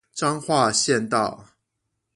彰化縣道